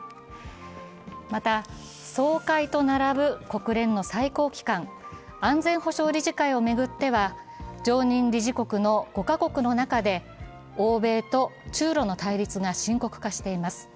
また、総会と並ぶ国連の最高機関、安全保障理事会を巡っては常任理事国の５カ国の中で欧米と中ロの対立が深刻化しています。